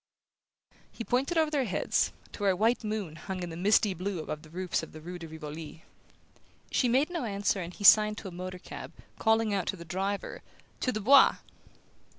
He pointed over their heads, to where a white moon hung in the misty blue above the roofs of the rue de Rivoli. She made no answer, and he signed to a motor cab, calling out to the driver: "To the Bois!"